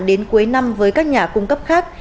đến cuối năm với các nhà cung cấp khác